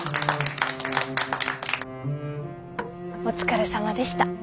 お疲れさまでした。